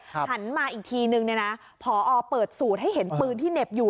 หันมาอีกทีนึงเนี่ยนะพอเปิดสูตรให้เห็นปืนที่เหน็บอยู่